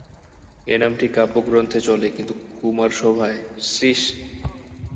এ নামটি কাব্যগ্রন্থে চলে কিন্তু কুমারসভায়– শ্রীশ।